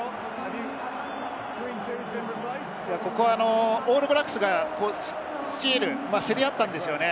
ここはオールブラックスがスティール、競り合ったんですよね。